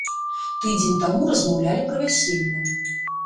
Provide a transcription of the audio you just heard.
Тыдзень таму размаўлялі пра вяселле!